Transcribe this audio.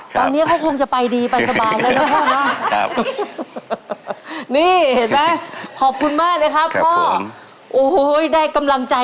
ตอนนี้เขาคงจะไปดีไปสบายแล้วนะพ่อเนาะ